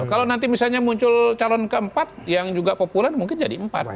kalau nanti misalnya muncul calon keempat yang juga populer mungkin jadi empat